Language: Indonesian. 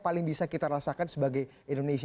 paling bisa kita rasakan sebagai indonesia